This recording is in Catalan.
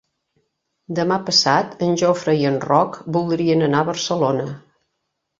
Demà passat en Jofre i en Roc voldrien anar a Barcelona.